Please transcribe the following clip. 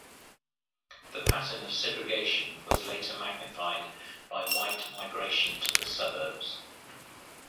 The pattern of segregation was later magnified by white migration to the suburbs.